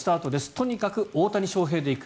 とにかく大谷翔平で行く